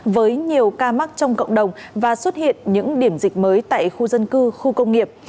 với nhiều ca mắc trong cộng đồng và xuất hiện những điểm dịch mới tại khu dân cư khu công nghiệp